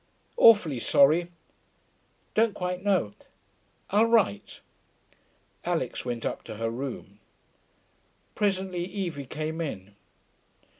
Awfully sorry.... Don't quite know.... I'll write.' Alix went up to her room. Presently Evie came in.